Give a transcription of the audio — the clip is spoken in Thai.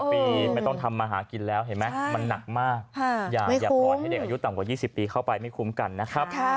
ปีไม่ต้องทำมาหากินแล้วเห็นไหมมันหนักมากอย่าปล่อยให้เด็กอายุต่ำกว่า๒๐ปีเข้าไปไม่คุ้มกันนะครับ